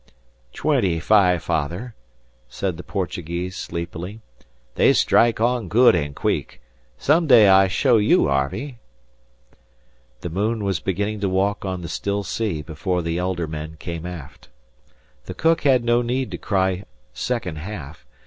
"Twenty fife father," said the Portuguese, sleepily. "They strike on good an' queek. Some day I show you, Harvey." The moon was beginning to walk on the still sea before the elder men came aft. The cook had no need to cry "second half."